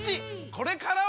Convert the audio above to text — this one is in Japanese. これからは！